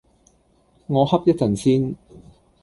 我瞌一陣先